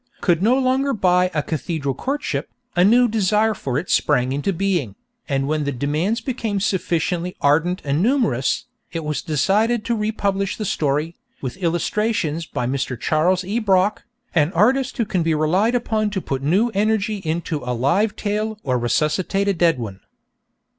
could no longer buy 'A Cathedral Courtship,' a new desire for it sprang into being, and when the demands became sufficiently ardent and numerous, it was decided to republish the story, with illustrations by Mr. Charles E. Brock, an artist who can be relied upon to put new energy into a live tale or resuscitate a dead one.